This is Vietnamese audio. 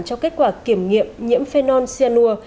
cho kết quả kiểm nghiệm nhiễm phenol xe nua